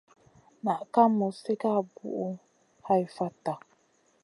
Naʼ ka muz sigara buʼu hai fata.